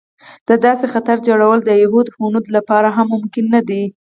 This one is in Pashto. د داسې خطر جوړول د یهود او هنود لپاره هم ممکن نه دی.